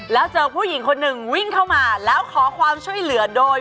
ผมจะยิงเข้ามาแล้วขอความช่วยเหลือโดย